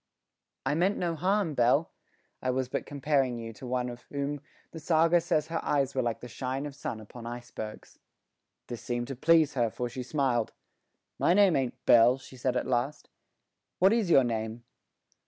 "I meant no harm, Belle. I was but comparing you to one of whom the saga says her eyes were like the shine of sun upon icebergs." This seemed to please her, for she smiled. "My name ain't Belle," she said at last. "What is your name?"